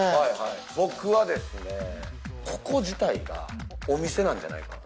僕はですね、ここ自体がお店なんじゃないかな。